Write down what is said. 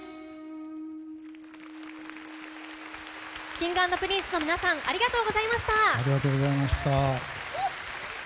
Ｋｉｎｇ＆Ｐｒｉｎｃｅの皆さんありがとうございました。